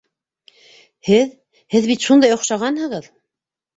Һеҙ... һеҙ бит шундай оҡшағанһығыҙ!